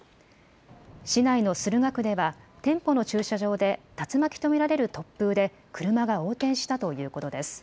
市内の駿河区では店舗の駐車場で竜巻と見られる突風で車が横転したということです。